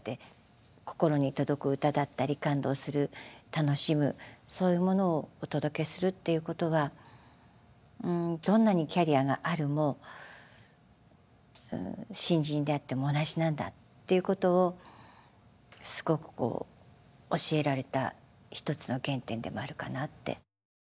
心に届く歌だったり感動する楽しむそういうものをお届けするっていうことはどんなにキャリアがあるも新人であっても同じなんだっていうことをすごくこう教えられた１つの原点でもあるかなって。